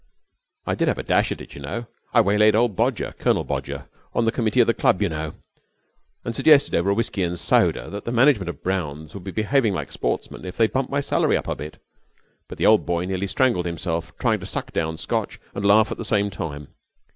'I did have a dash at it, you know. I waylaid old Bodger Colonel Bodger, on the committee of the club, you know and suggested over a whisky and soda that the management of Brown's would be behaving like sportsmen if they bumped my salary up a bit, and the old boy nearly strangled himself trying to suck down Scotch and laugh at the same time.